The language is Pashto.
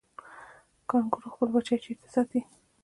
کانګارو خپل بچی چیرته ساتي؟